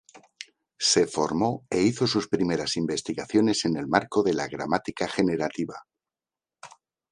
Se formó e hizo sus primeras investigaciones en el marco de la gramática generativa.